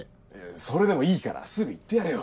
それでもいいからすぐ行ってやれよ！